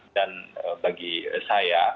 dan bagi saya